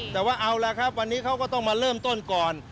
แต่ว่าเอาล่ะครับวันนี้เขาก็ต้องมาเริ่มต้นก่อน